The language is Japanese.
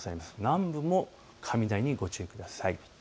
南部も雷にご注意ください。